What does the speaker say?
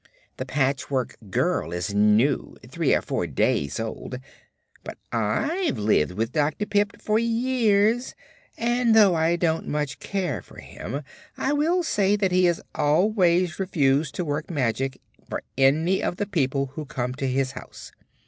The Patchwork Girl is new three or four days old but I've lived with Dr. Pipt for years; and, though I don't much care for him, I will say that he has always refused to work magic for any of the people who come to his house.